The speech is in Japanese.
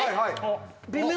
微妙。